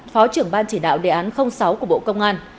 phó trưởng ban chỉ đạo đề án sáu của bộ công an